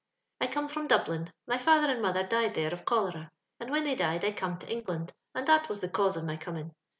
" I come from Dublin ; my father and mo tlier died there of cholera; and when they died, I come to England, and that was the cause of my coming.